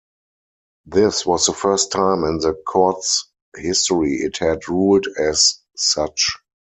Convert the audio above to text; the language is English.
This was the first time in the court's history it had ruled as such.